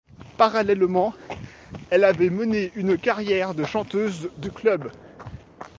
Parallèlement, elle avait mené une carrière de chanteuse de clubs.